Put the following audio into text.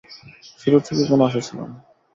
শুরু থেকেই কোন আশা ছিল না।